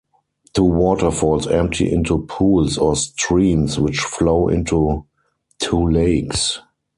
Two waterfalls empty into pools or streams which flow into two lakes.